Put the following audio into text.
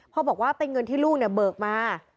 พ่อบอกว่าเป็นเงินที่ลูกเบิกมา